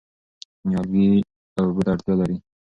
نیالګي اوبو ته اړتیا لري.